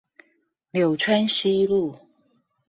柳川西路